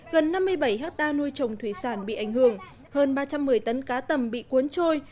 gần năm mươi bảy hectare nuôi trồng thủy sản bị ảnh hưởng hơn ba trăm một mươi tấn cá tầm bị cuốn trôi